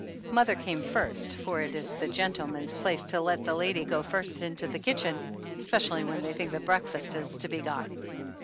Mother came first, for it is the gentleman's place to let the lady go first into the kitchen, especially when they think that breakfast is to be got.